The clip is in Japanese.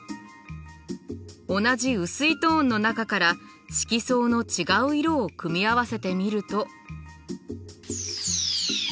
同じうすいトーンの中から色相の違う色を組み合わせてみると。